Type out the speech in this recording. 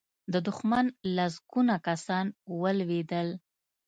د دښمن لسګونه کسان ولوېدل.